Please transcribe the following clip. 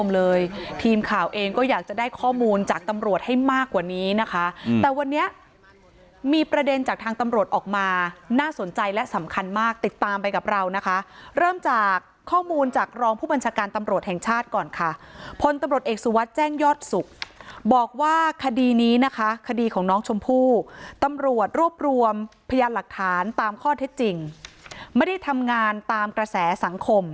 เลยทีมข่าวเองก็อยากจะได้ข้อมูลจากตำรวจให้มากกว่านี้นะคะแต่วันนี้มีประเด็นจากทางตำรวจออกมาน่าสนใจและสำคัญมากติดตามไปกับเรานะคะเริ่มจากข้อมูลจากรองผู้บัญชาการตำรวจแห่งชาติก่อนค่ะพลตำรวจเอกสุวัสดิ์แจ้งยอดสุขบอกว่าคดีนี้นะคะคดีของน้องชมพู่ตำรวจรวบรวมพยานหลักฐานตามข้อเท็จจริงไม่ได้ทำงานตามกระแสสังคม